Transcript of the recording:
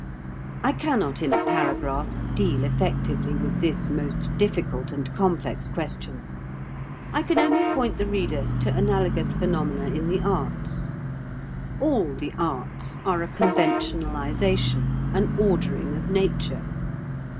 I cannot in a paragraph deal effectively with this most difficult and complex question. I can only point the reader to analogous phenomena in the arts. All the arts are a conventionalization, an ordering of nature.